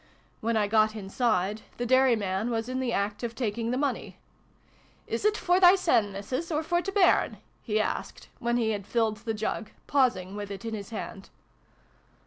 When I got inside, the dairyman was in the act of taking the money. " Is't for thysen, Missus, or for t' bairn ?" he asked, when he had filled the jug, pausing with it in his hand.